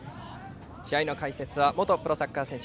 試合の解説は元プロサッカー選手